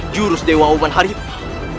jurus dewa umar harimau